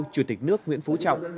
chủ tịch nước nguyễn phú trọng